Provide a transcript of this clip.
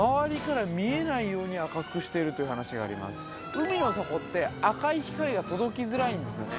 海の底って赤い光が届きづらいんですよね